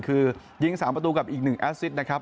คือยิง๓ประตูกับอีก๑แอสซิดนะครับ